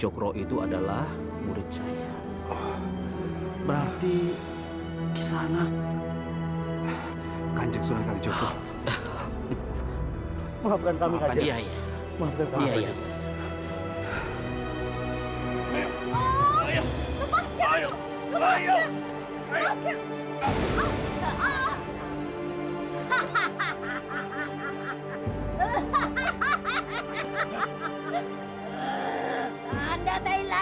kita harus pergi